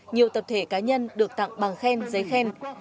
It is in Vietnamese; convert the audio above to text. nhiều tập thể cá nhân được tặng bằng khen giấy khen